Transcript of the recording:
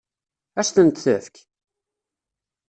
Ad s-tent-tefk?